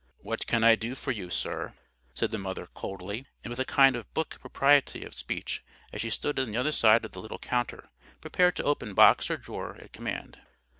"What can I do for you, sir?" said the mother, coldly, and with a kind of book propriety of speech, as she stood on the other side of the little counter, prepared to open box or drawer at command.